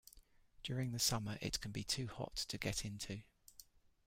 During the summer it can be too hot to get into.